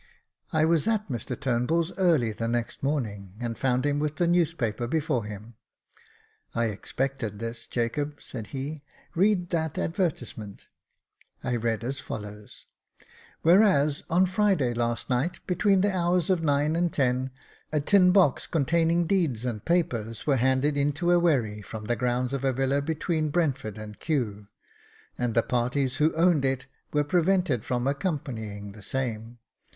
I was at Mr TurnbuU's early the next morning, and found him with the newspaper before him. "I expected this, Jacob," said he :read that advertisement." I read as follows :—" Whereas, on Friday night last, between the hours of nine and ten, a tin box, containing deeds and papers, was handed into a wherry, from the grounds of a villa be tween Brentford and Kew, and the parties who owned it were prevented from accompanying the same.